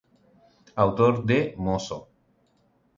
Autor de "¡Mozo!